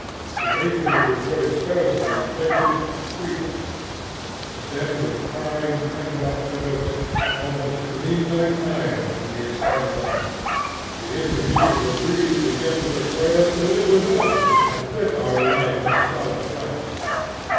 The anciently reported spells of these places creep on us. The stems of pines, hemlocks, and oaks almost gleam like iron on the excited eye. The incommunicable trees begin to persuade us to live with them, and quit our life of solemn trifles.